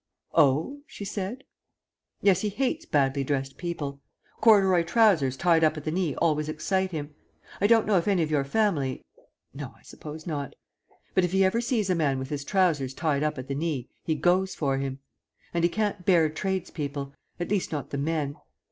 "Oh?" she said. "Yes, he hates badly dressed people. Corduroy trousers tied up at the knee always excite him. I don't know if any of your family no, I suppose not. But if he ever sees a man with his trousers tied up at the knee he goes for him. And he can't bear tradespeople; at least not the men.